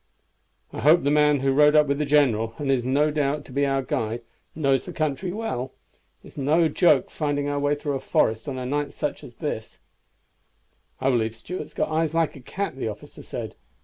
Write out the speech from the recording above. "I hope the man who rode up with the general, and is no doubt to be our guide, knows the country well. It is no joke finding our way through a forest on such a night as this." "I believe Stuart's got eyes like a cat," the officer said.